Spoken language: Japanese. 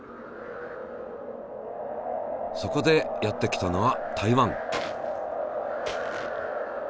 そこでやって来たのは台湾。